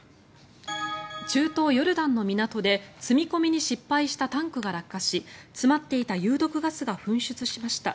中東ヨルダンの港で積み込みに失敗したタンクが落下し詰まっていた有毒ガスが噴出しました。